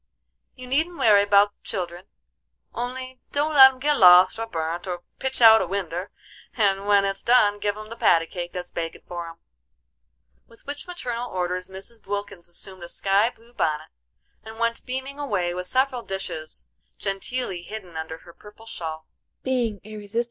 You needn't werry about the children, only don't let 'em git lost, or burnt, or pitch out a winder; and when it's done give 'em the patty cake that's bakin' for 'em." With which maternal orders Mrs. Wilkins assumed a sky blue bonnet, and went beaming away with several dishes genteelly hidden under her purple shawl.